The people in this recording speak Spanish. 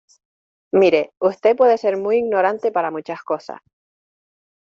mire, usted puede ser muy ignorante para muchas cosas